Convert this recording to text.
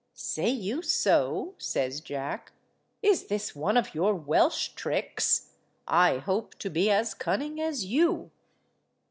"Say you so?" says Jack. "Is this one of your Welsh tricks? I hope to be as cunning as you."